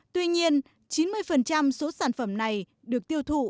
tuy nhiên chín mươi số sản phẩm này được tiêu thụ